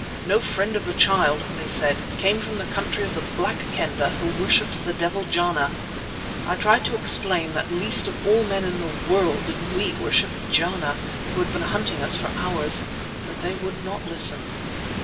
No friends of the Child, they said, came from the country of the Black Kendah, who worshipped the devil Jana. I tried to explain that least of all men in the world did we worship Jana, who had been hunting us for hours, but they would not listen.